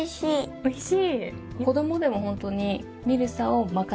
おいしい？